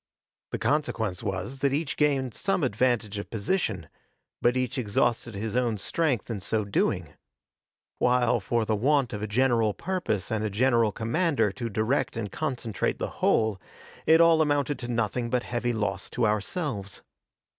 The consequence was that each gained some advantage of position, but each exhausted his own strength in so doing; while, for the want of a general purpose and a general commander to direct and concentrate the whole, it all amounted to nothing but heavy loss to ourselves.